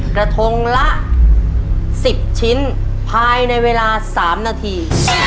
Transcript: กระทงละ๑๐ชิ้นภายในเวลา๓นาที